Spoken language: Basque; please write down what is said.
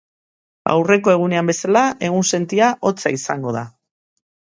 Aurreko egunean bezala, egunsentia hotza izango da.